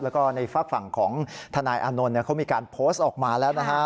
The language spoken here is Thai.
แล้วก็ในฝากฝั่งของทนายอานนท์เขามีการโพสต์ออกมาแล้วนะฮะ